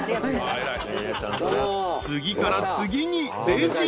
［次から次にレジへ］